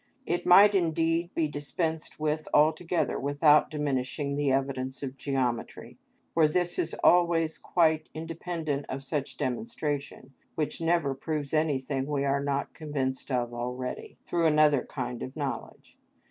It might indeed be dispensed with altogether without diminishing the evidence of geometry, for this is always quite independent of such demonstration, which never proves anything we are not convinced of already, through another kind of knowledge.